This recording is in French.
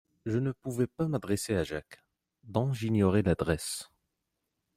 Je ne pouvais pas m'adresser à Jacques, dont j'ignorais l'adresse.